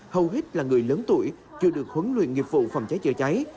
hầu hết là người lớn tuổi chưa được huấn luyện nghiệp vụ phòng cháy chữa cháy